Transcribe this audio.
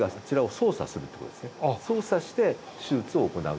操作して手術を行う。